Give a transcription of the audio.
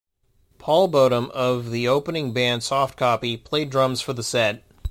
Paul Boddum of the opening band Soft Copy, played drums for the set.